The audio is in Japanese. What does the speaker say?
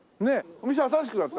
お店新しくなった？